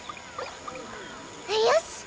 よし！